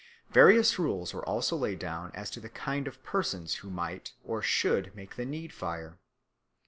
Various rules were also laid down as to the kind of persons who might or should make the need fire.